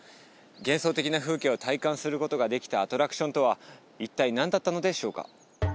幻想的な風景を体感することができたアトラクションとは一体何だったのでしょうか？